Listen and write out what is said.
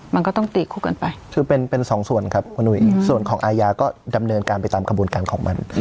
มันก็ต้องตีคู่กันไปคือเป็นสองส่วนครับคุณหุยส่วนของอาญาก็ดำเนินการไปตามกระบวนการของมัน